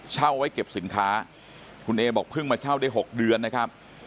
เช่าไว้เก็บสินค้าคุณเอบอกเพิ่งมาเช่าได้๖เดือนนะครับ